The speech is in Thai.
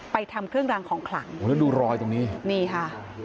ไปทำเครื่องรังของขลังโถ่ดูรอยตรงนี้นี่ค่ะ